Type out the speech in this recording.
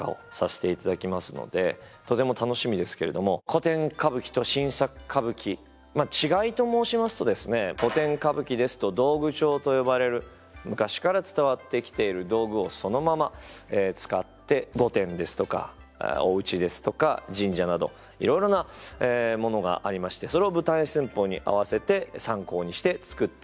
古典歌舞伎と新作歌舞伎まあ違いと申しますとですね古典歌舞伎ですと「道具帳」と呼ばれる昔から伝わってきている道具をそのまま使って御殿ですとかお家ですとか神社などいろいろなものがありましてそれを舞台寸法に合わせて参考にして作っていくわけです。